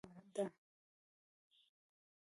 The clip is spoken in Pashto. دوه میلیونه کاله زموږ لپاره ډېره اوږده موده ده.